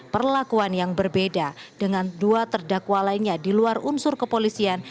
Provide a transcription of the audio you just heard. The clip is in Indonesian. perlakuan yang berbeda dengan dua terdakwa lainnya di luar unsur kepolisian